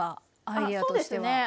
アイデアとしては。